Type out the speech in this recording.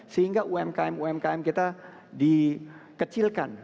sehingga umkm umkm kita dikecilkan